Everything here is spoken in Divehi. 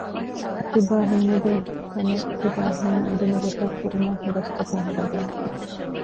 ތިބާ ހިތް އެދޭ ހުރިހާ ކަމެއް ތިބާ ހިތް އެދުނުގޮތަށް ކުރުމަށް ހުރަސްތަކެއް ހުރެދާނެ